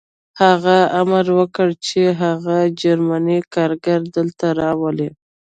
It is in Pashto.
هغه امر وکړ چې هغه جرمنی کارګر دلته راولئ